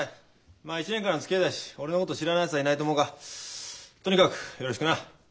まあ１年間のつきあいだし俺のこと知らないやつはいないと思うがとにかくよろしくな。